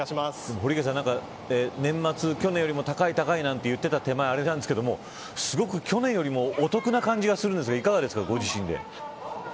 堀池さん、年末去年よりも高い高いなんて言っていた手前あれなんですけどすごく去年よりもお得な感じがするんですがいかがですかご自身で。